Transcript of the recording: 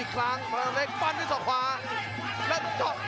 นี่ครับหัวมาเจอแบบนี้เลยครับวงในของพาราดอลเล็กครับ